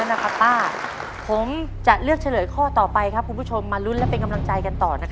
ป้าผมจะเลือกเฉลยข้อต่อไปครับคุณผู้ชมมาลุ้นและเป็นกำลังใจกันต่อ